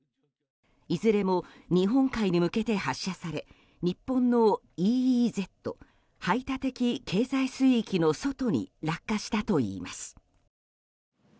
いずれも日本海に向けて発射され日本のＥＥＺ・排他的経済水域の外に落下したといいます。